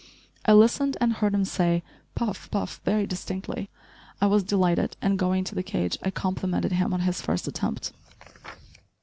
I listened and heard him say "Puff," "Puff," very distinctly. I was delighted and, going to the cage, I complimented him on his first attempt.